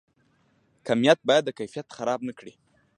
کمیت باید کیفیت خراب نکړي